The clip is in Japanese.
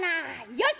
よし！